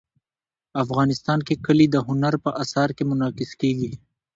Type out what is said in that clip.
افغانستان کې کلي د هنر په اثار کې منعکس کېږي.